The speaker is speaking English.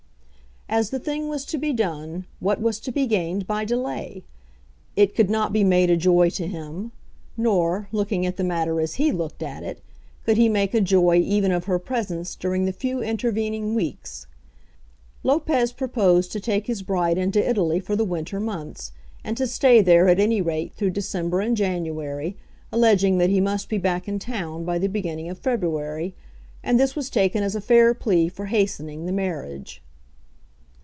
As the thing was to be done, what was to be gained by delay? It could not be made a joy to him; nor, looking at the matter as he looked at it, could he make a joy even of her presence during the few intervening weeks. Lopez proposed to take his bride into Italy for the winter months, and to stay there at any rate through December and January, alleging that he must be back in town by the beginning of February; and this was taken as a fair plea for hastening the marriage.